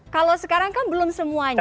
kalau sekarang kan belum semuanya